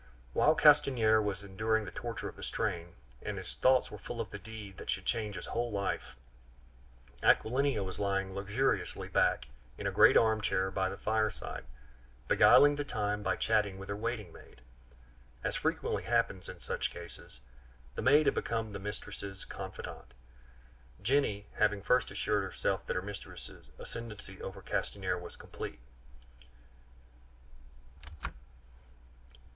While Castanier was enduring the torture of the strain, and his thoughts were full of the deed that should change his whole life, Aquilina was lying luxuriously back in a great armchair by the fireside, beguiling the time by chatting with her waiting maid. As frequently happens in such cases, the maid had become the mistress's confidante, Jenny having first assured herself that her mistress's ascendancy over Castanier was complete.